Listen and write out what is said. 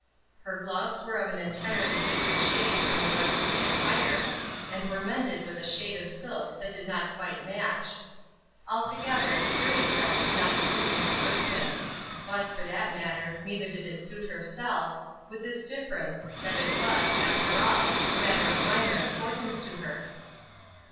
Her gloves were of an entirely different shade from the rest of the attire, and were mended with a shade of silk that did not quite match Altogether, Eurie's dress did not suit Miss Erskine. But, for that matter, neither did it suit herself, with this difference, that it was, after all, a matter of minor importance to her.